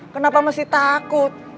kenapa masih takut